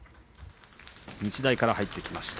日大から入ってきました。